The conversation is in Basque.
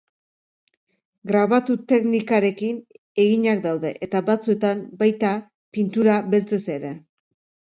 Grabatu teknikarekin eginak daude, eta batzuetan baita pintura beltzez ere.